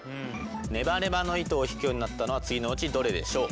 ネバネバの糸を引くようになったのは次のうちどれでしょう？